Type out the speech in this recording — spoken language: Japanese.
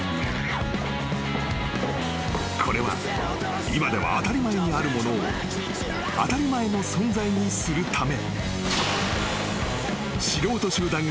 ［これは今では当たり前にあるものを当たり前の存在にするため］